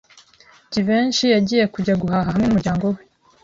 Jivency yagiye kujya guhaha hamwe n'umuryango we.